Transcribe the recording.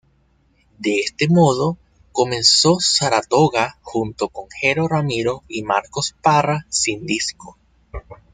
De este modo, comenzó Saratoga junto con Jero Ramiro, y Marcos Parra, sin disco.